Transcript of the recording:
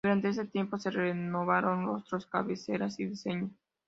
Durante ese tiempo se renovaron rostros, cabeceras y diseños.